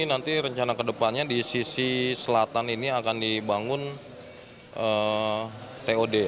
nanti rencana kedepannya di sisi selatan ini akan dibangun tod